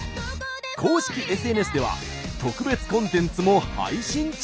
公式ＳＮＳでは特別コンテンツも配信中！